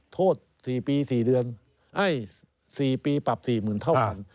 โทษ๔ปี๔เดือนไม่นาน๔ปีปรับ๔๐๐๐๐เท่าผ่าน